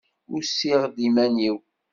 Usiɣ-d iman-iw.